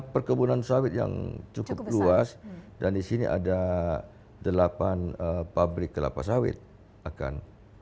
perkebunan sawit yang cukup luas dan di sini ada delapan pabrik kelapa sawit akan